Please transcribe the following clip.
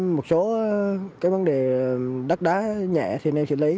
một số vấn đề đất đá nhẹ